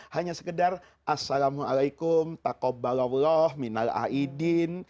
hanya sekedar assalamualaikum takobbalawlah minal a'idin